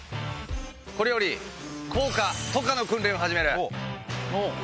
これより降下・渡過の訓練を始める。